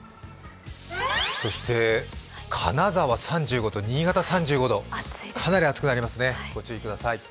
そして金沢３５度、新潟３５度、かなり暑くなりますねご注意ください。